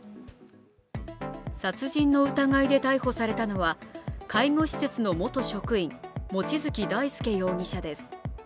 殺人の疑いで逮捕されたのは介護施設の元職員、望月大輔容疑者です。